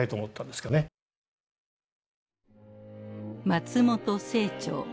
松本清張。